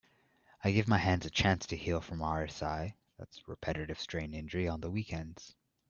I give my hands a chance to heal from RSI (Repetitive Strain Injury) on the weekends.